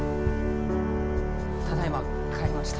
ただいま帰りました。